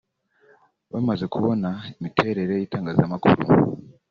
bamaze kubona imiterere y’itangazamakuru